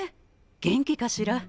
元気かしら。